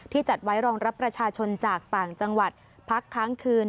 จัดไว้รองรับประชาชนจากต่างจังหวัดพักค้างคืน